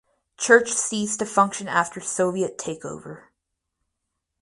Church ceased to function after Soviet takeover.